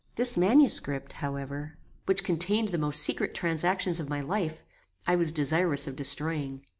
This manuscript, however, which contained the most secret transactions of my life, I was desirous of destroying.